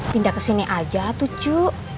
pindah ke sini aja cucu